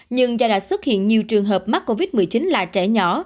nhưng do đã xuất hiện nhiều trường hợp mắc covid một mươi chín là trẻ nhỏ